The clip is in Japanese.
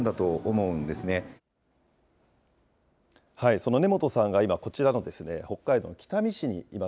その根本さんが今、こちらの北海道の北見市にいます。